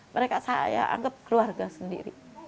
mereka saya anggap keluarga sendiri